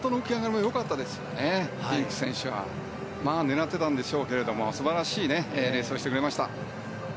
狙っていたんでしょうけど素晴らしいレースをしてくれました。